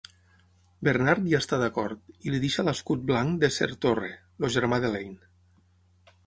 Bernard hi està d'acord i li deixa l'escut blanc de Sir Torre, el germà d'Elaine.